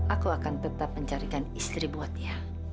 aku akan tetap mencarikan istri buat dia